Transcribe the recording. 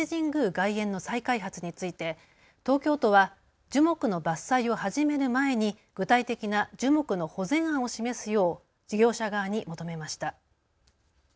外苑の再開発について東京都は樹木の伐採を始める前に具体的な樹木の保全案を示すよう事業者側に求めました。